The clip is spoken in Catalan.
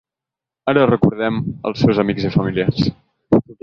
Ara recordem els seus amics i familiars.